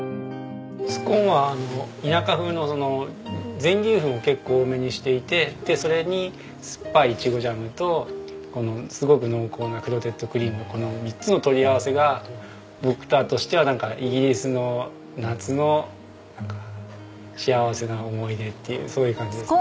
スコーンは田舎風の全粒粉を結構多めにしていてそれに酸っぱいいちごジャムとこのすごく濃厚なクロテッドクリームのこの３つの取り合わせが僕としてはなんかイギリスの夏の幸せな思い出っていうそういう感じですね。